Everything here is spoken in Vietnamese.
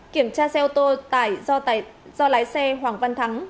kiểm tra xe ô tô tải do lái xe hoàng văn thắng